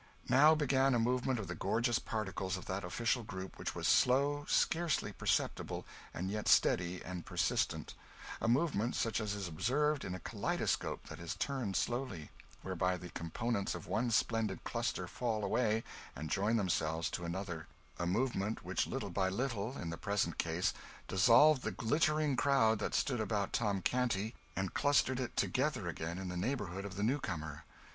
Now began a movement of the gorgeous particles of that official group which was slow, scarcely perceptible, and yet steady and persistent a movement such as is observed in a kaleidoscope that is turned slowly, whereby the components of one splendid cluster fall away and join themselves to another a movement which, little by little, in the present case, dissolved the glittering crowd that stood about Tom Canty and clustered it together again in the neighbourhood of the new comer.